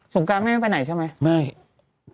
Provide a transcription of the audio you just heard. งการแม่ไม่ไปไหนใช่ไหมไม่